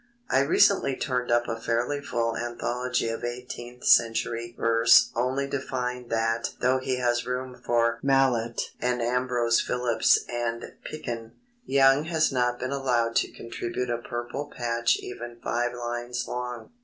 I recently turned up a fairly full anthology of eighteenth century verse only to find that though it has room for Mallet and Ambrose Phillips and Picken, Young has not been allowed to contribute a purple patch even five lines long.